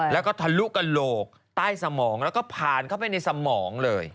แล้วก็ทะลุกระโหลกใต้สมองแล้วก็ผ่านเข้าไปในสมองเลย